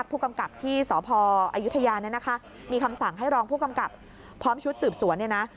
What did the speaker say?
ผู้กำกับที่สพอายุทยาเนี่ยนะคะมีคำสั่งให้รองผู้กำกับพร้อมชุดสืบสวนเนี่ยนะ